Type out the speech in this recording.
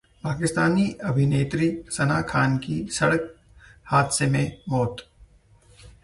पाकिस्तानी अभिनेत्री सना खान की सड़क हादसे में मौत